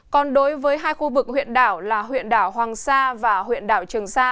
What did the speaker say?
còn đối với hai khu vực huyện đảo là huyện đảo hoàng sa và huyện đảo trường sa